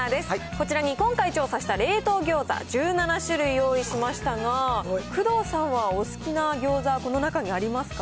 こちらに今回調査した冷凍餃子１７種類用意しましたが、工藤さんはお好きな餃子、この中にありますか？